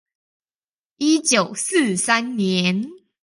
一九四三年